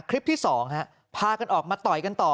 คลิปที่๒พากันออกมาต่อยกันต่อ